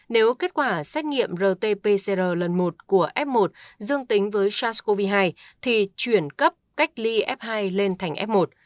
nếu kết quả xét nghiệm rt pcr lần một của f một dương tính với sars cov hai thì chuyển cấp cách ly f hai lên thành f một